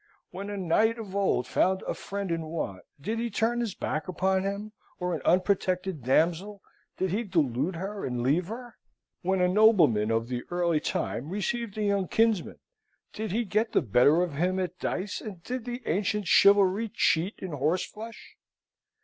When a knight of old found a friend in want, did he turn his back upon him, or an unprotected damsel, did he delude her and leave her? When a nobleman of the early time received a young kinsman, did he get the better of him at dice, and did the ancient chivalry cheat in horseflesh?